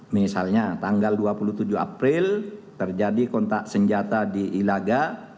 misalnya tanggal dua puluh tujuh april terjadi kontak senjata di ilaga